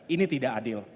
ini tidak adil